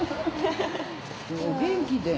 お元気で。